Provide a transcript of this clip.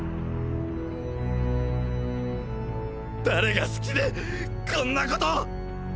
誰が好きでこんなこと！！